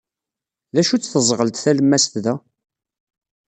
D acu-tt teẓɣelt talemmast da?